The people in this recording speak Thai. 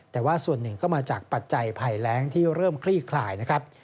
แต่ว่าส่วนหนึ่งก็มาจากปัจจัยภัยแรงที่เริ่มคลี่คลายนะครับ